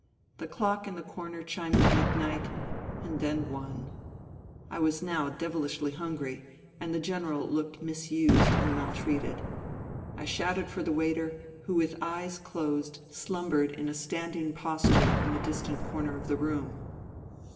The clock in the corner chimed midnight, and then one. I was now devilishly hungry, and the General looked misused and maltreated. I shouted for the waiter, who with eyes closed slumbered in a stand ing posture in the distant corner of the room.